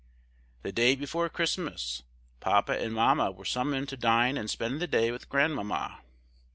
The day before Christmas, Papa and Mamma were summoned to dine and spend the day with Grandmamma.